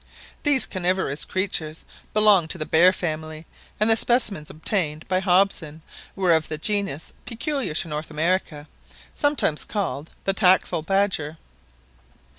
These carnivorous creatures belong to the bear family, and the specimens obtained by Hobson were of the genus peculiar to North America, sometimes called the Taxel badger.